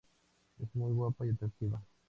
Es muy guapa y atractiva.